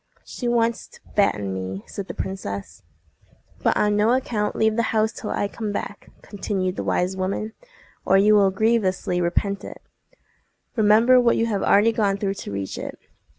"She wants to fatten me," said the princess. "But on no account leave the house till I come back," continued the wise woman, "or you will grievously repent it. Remember what you have already gone through to reach it.